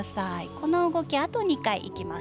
この動きあと２回いきます。